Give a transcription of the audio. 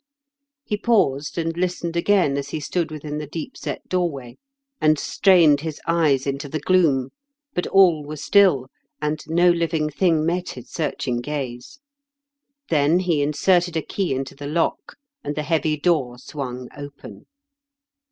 He paused and listened again as he stood within the deep set doorway, and strained his A LEGEND OF QUNDULPH'8 TOWEB, 99 eyes into the gloom ; but all was still, and no living thing met his searching gaze. Then he inserted a key into the lock, and the heavy door swung open.